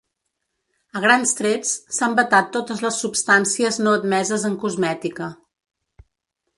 A grans trets, s’han vetat totes les substàncies no admeses en cosmètica.